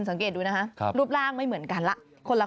ก็เห็นดูนะฮะรูปร่างไม่เหมือนกันละ